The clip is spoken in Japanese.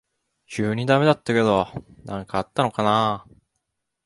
急にダメになったけど何かあったのかな